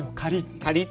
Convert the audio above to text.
カリッと。